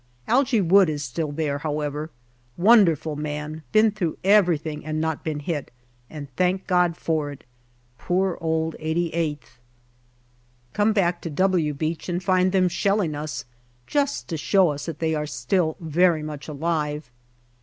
Algy Wood is still there, however ; wonderful man, been through everything and not been hit, and thank God for it. Poor old 88th ! Come back to " W " Beach and find them shelling us, just to show us they are still very much alive.